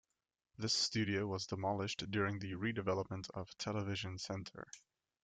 This studio was demolished during the redevelopment of Television Centre.